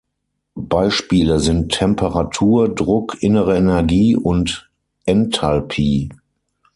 Beispiele sind Temperatur, Druck, innere Energie und Enthalpie.